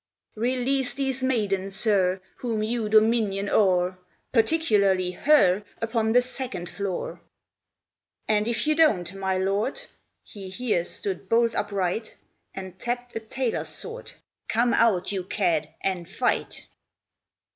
"Release these maidens, sir, Whom you dominion o'er Particularly her Upon the second floor! "And if you don't, my lord" He here stood bolt upright. And tapped a tailor's sword "Come out at once and fight!"